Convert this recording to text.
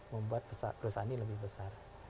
membuat perusahaan ini lebih besar